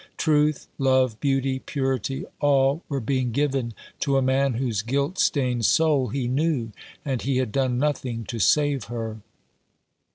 Truth, love, beauty, purity, all were being given to a man whose guilt stained soul he knew ; and he had done nothing to save her.